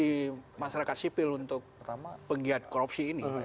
bagi masyarakat sipil untuk penggiat korupsi ini